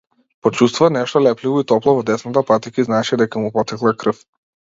Почувствува нешто лепливо и топло во десната патика и знаеше дека му потекла крв.